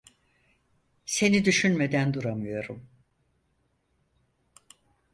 Seni düşünmeden duramıyorum.